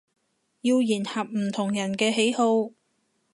要迎合唔同人嘅喜好